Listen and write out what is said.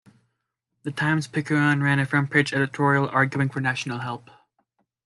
The "Times-Picayune" ran a front page editorial arguing for national help.